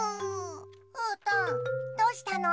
うーたんどうしたの？